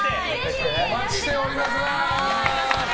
お待ちしております！